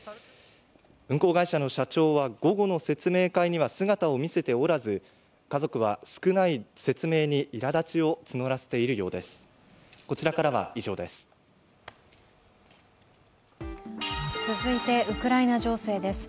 運航会社の社長は午後の説明会には姿を見せておらず家族は少ない説明にいらだちを募らせているようです。